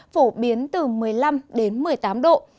phổ biến từ một mươi năm đến một mươi tám độ